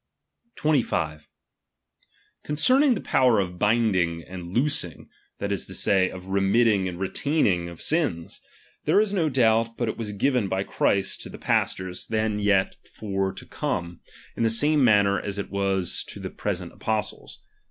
25 Concernine the power of binding and loos The pom ing, that is to say, of reniiffing and retaining ^JTS^^ jslns ; there is no doubt but it was given by Christ J^!^^ to the pastors then vet for to come, in the same ?«*«■»,» manner as it was to the present apostles.